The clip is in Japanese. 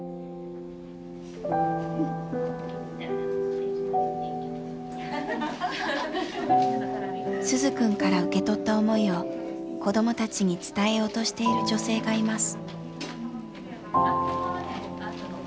それを鈴くんから受け取った思いを子どもたちに伝えようとしている女性がいます。